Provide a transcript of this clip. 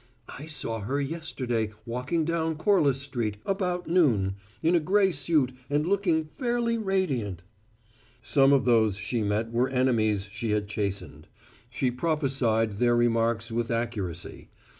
"I saw her yesterday, walking down Corliss Street, about noon, in a gray suit and looking fairly radiant!" Some of those she met were enemies she had chastened; she prophesied their remarks with accuracy.